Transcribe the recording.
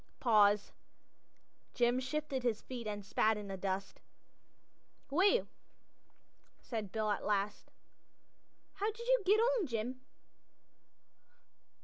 Pause. Jim shifted his feet and spat in the dust. "Well," said Bill at last. "How did you get on, Jim?"